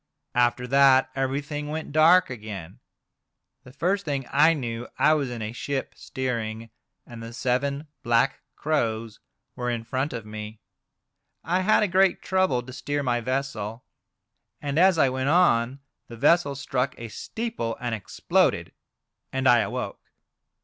After that everything went dark again. The first thing I knew I was in a ship steering, and the seven black crows were in front of me. I had a great trouble to steer my vessel. And as I went on the vessel struck a steeple, and exploded, and I awoke.